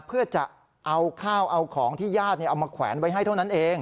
เพื่อจะเอาข้าวเอาของที่ญาติเอามาแขวนไว้ให้เท่านั้นเอง